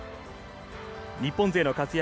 日本勢の活躍